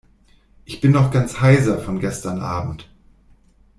Ich bin noch ganz heiser von gestern Abend.